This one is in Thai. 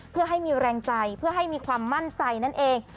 เพื่อให้มีแรงใจเพื่อให้มีความมั่นใจนั่นเอง